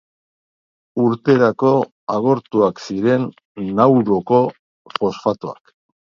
Urterako agortuak ziren Nauruko fosfatoak.